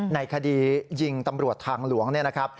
ในคดียิงตำรวจทางหลวงเนี่ยนะครับ